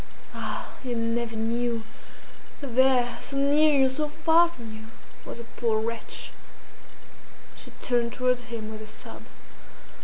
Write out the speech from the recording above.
Ah! you never knew that there, so near you, so far from you, was a poor wretch!" She turned towards him with a sob.